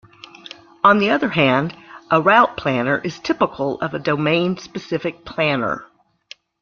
On the other hand, a route planner is typical of a domain specific planner.